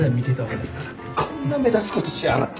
こんな目立つことしやがって。